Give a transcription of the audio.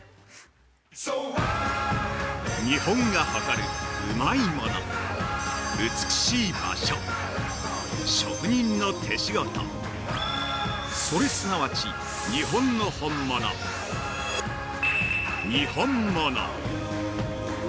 ◆日本が誇るうまいもの美しい場所、職人の手仕事それすなわち日本の本物にほんもの。